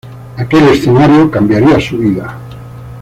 Aquel escenario cambiaría su vida.